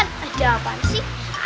apun ada apaan sih